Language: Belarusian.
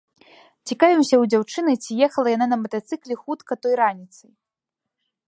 Цікавімся ў дзяўчыны, ці ехала яна на матацыкле хутка той раніцай.